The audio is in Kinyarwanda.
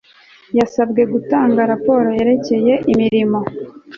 yasabwe gutanga raporo yerekeye imirimo